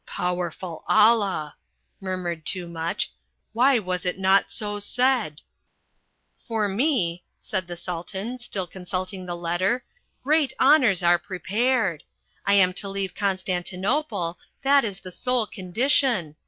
"Powerful Allah!" murmured Toomuch. "Why was it not so said?" "For me," said the Sultan, still consulting the letter, "great honours are prepared! I am to leave Constantinople that is the sole condition.